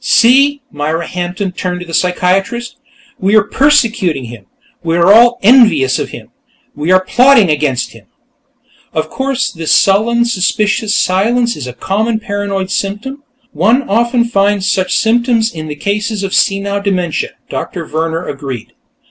"See!" Myra Hampton turned to the psychiatrist. "We are persecuting him! We are all envious of him! We are plotting against him!" "Of course; this sullen and suspicious silence is a common paranoid symptom; one often finds such symptoms in cases of senile dementia," Doctor Vehrner agreed.